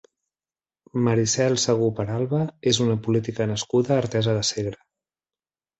Maricel Segú Peralba és una política nascuda a Artesa de Segre.